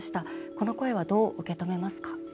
この声はどう受け止めますか？